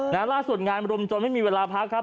นั้นล่าศูนย์งานรุมจนไม่มีเวลาพักครับ